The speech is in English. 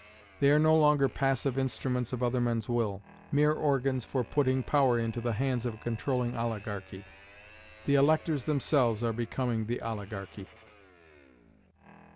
They are no longer passive instruments of other men's will mere organs for putting power into the hands of a controlling oligarchy. The electors themselves are becoming the oligarchy.